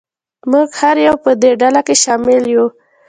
موږ هر یو په دې ډله کې شامل یو.